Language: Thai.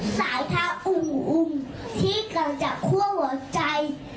สายทางอุ่งที่กำจัดคั่วหัวใจ